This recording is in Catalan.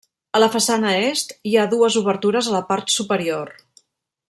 A la façana est, hi ha dues obertures a la part superior.